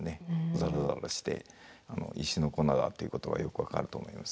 ザラザラして石の粉だっていうことがよく分かると思います。